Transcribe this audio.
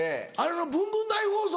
『ブンブン大放送』。